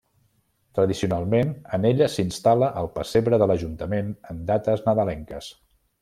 Tradicionalment, en ella s'instal·la el pessebre de l'Ajuntament en dates nadalenques.